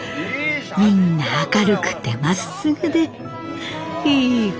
みんな明るくてまっすぐでいい子たちです。